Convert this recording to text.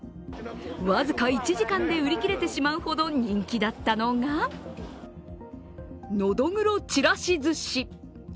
僅か１時間で売り切れてしまうほど人気だったのがのどぐろちらし寿司。